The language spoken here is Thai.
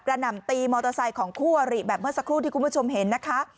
หน่ำตีมอเตอร์ไซค์ของคู่อริแบบเมื่อสักครู่ที่คุณผู้ชมเห็นนะคะ